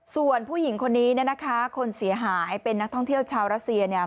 ส่วนผู้หญิงคนนี้เนี่ยนะคะคนเสียหายเป็นนักท่องเที่ยวชาวรัสเซียเนี่ย